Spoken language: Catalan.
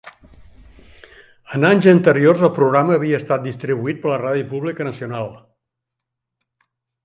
En anys anteriors, el programa havia estat distribuït per la ràdio pública nacional.